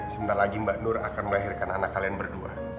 sebentar lagi mbak nur akan melahirkan anak kalian berdua